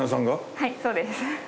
はいそうです。